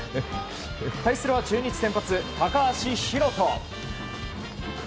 対するは中日先発、高橋宏斗。